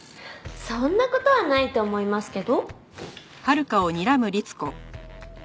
そんな事はないと思いますけど。